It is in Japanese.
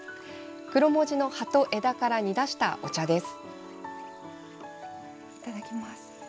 クロモジの葉と枝から煮出したお茶です。